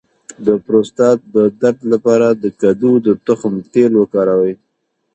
د پروستات د درد لپاره د کدو د تخم تېل وکاروئ